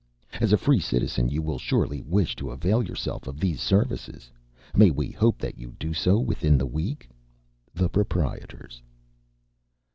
As a Free Citizen, you will surely wish to avail yourself of these services. May we hope that you do so within the week? The Proprietors.